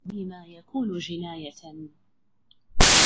وَكَلَامُهُ فِيمَا يَكُونُ جِنَايَةً